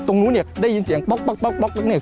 ตรงนู้นเนี่ยได้ยินเสียงป๊อกป๊อกเนี่ย